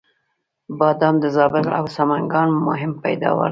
بادام د زابل او سمنګان مهم پیداوار دی